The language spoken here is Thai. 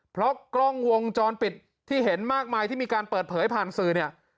เพราะกล้องวงจรปิดที่เห็นมากมายที่มีการเปิดเผยผ่านสื่อเนี่ย